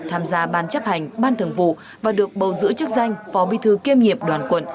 tham gia ban chấp hành ban thường vụ và được bầu giữ chức danh phó bi thư kiêm nhiệm đoàn quận